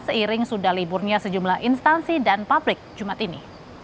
seiring sudah liburnya sejumlah instansi dan pabrik jumat ini